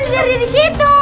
kamu ngapain ada di situ